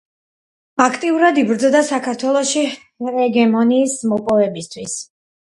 აქტიურად იბრძოდა საქართველოში ჰეგემონიის მოპოვებისათვის.